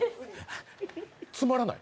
つまらない。